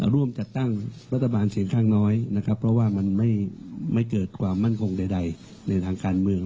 ร่วมจัดตั้งรัฐบาลเสียงข้างน้อยนะครับเพราะว่ามันไม่เกิดความมั่นคงใดในทางการเมือง